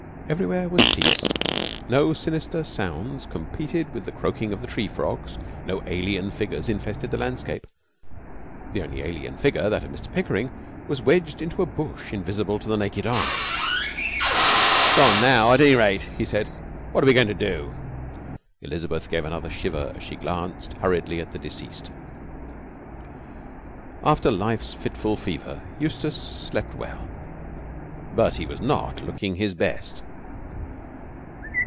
Everywhere was peace. No sinister sounds competed with the croaking of the tree frogs. No alien figures infested the landscape. The only alien figure, that of Mr Pickering, was wedged into a bush, invisible to the naked eye. 'He's gone now, at any rate,' he said. 'What are we going to do?' Elizabeth gave another shiver as she glanced hurriedly at the deceased. After life's fitful fever Eustace slept well, but he was not looking his best.